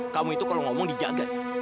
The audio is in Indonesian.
kamu itu kalau ngomong dijaga